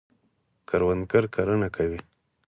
کروندګر کرنه کوي.